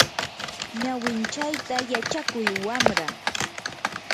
ñawinchayta yachakuy wamra.